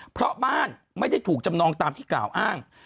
เพราะบ้านไม่ได้ถูกจำนองตามที่กล่าวอ้าง